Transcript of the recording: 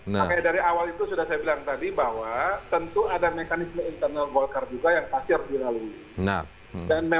makanya dari awal itu sudah saya bilang tadi bahwa tentu ada mekanisme internal golkar juga yang pasti harus dilalui